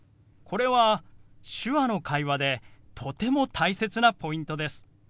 これは手話の会話でとても大切なポイントです。